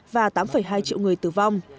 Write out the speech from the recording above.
và tám hai triệu người tử vong